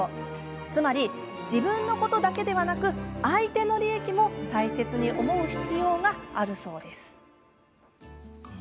つまり自分のことだけではなく相手の利益も大切に思う必要があるそうです。